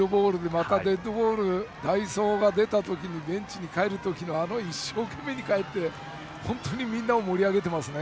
またデッドボールに代走が出た時にベンチに帰る時一生懸命に帰って本当にみんなを盛り上げてますね。